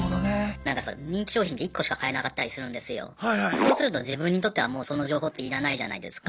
そうすると自分にとってはもうその情報って要らないじゃないですか。